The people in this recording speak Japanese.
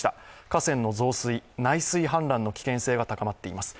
河川の増水、内水氾濫の危険性が高まっています。